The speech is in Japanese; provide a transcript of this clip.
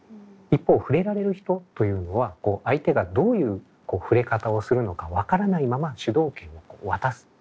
一方ふれられる人というのは相手がどういうふれ方をするのか分からないまま主導権を渡す。